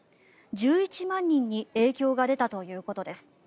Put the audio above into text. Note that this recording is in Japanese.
１１万人に影響が出たということです。